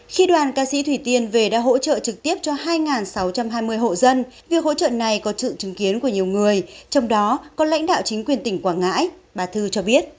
khi đoàn ca sĩ thủy tiên về đã hỗ trợ trực tiếp cho hai sáu trăm hai mươi hộ dân việc hỗ trợ này có sự chứng kiến của nhiều người trong đó có lãnh đạo chính quyền tỉnh quảng ngãi bà thư cho biết